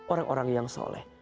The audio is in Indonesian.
orang orang yang soleh